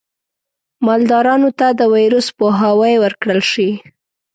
مالدارانو ته د ویروس پوهاوی ورکړل شي.